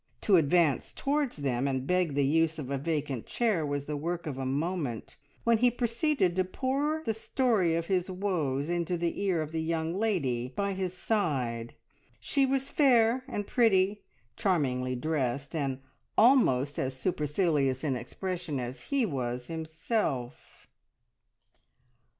To advance towards them and beg the use of a vacant chair was the work of a moment, when he proceeded to pour the story of his woes into the ear of the young lady by his side. She was fair and pretty, charmingly dressed, and almost as supercilious in expression as he was himself.